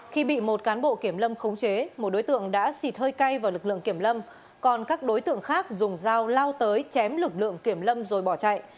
khi bị một cán bộ kiểm lâm khống chế một đối tượng đã xịt hơi cay vào lực lượng kiểm lâm còn các đối tượng khác dùng dao lao tới chém lực lượng kiểm lâm rồi bỏ chạy